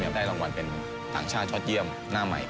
พี่มาได้รางวัลอย่างเป็นทางชาติสโชธ์เยี่ยมหน้าใหม่